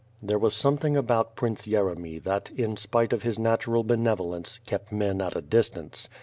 There was something about Prince Yeremy that, in spite of his natural benevolence, kept men at a distance.